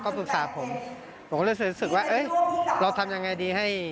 ก็ปรึกษาผมผมคงรู้สึกว่าเอ๊ะเราทำยังไงดีให้